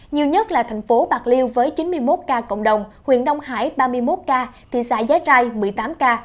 nhiều nhất là thành phố bạc liêu với chín mươi một ca cộng đồng huyện đông hải ba mươi một ca thị xã giá trai một mươi tám ca